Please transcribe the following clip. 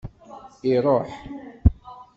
Iṛuḥ.